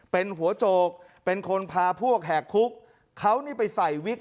เป็นหัวโจกเป็นคนพาพวกแหกคุกเขานี่ไปใส่วิก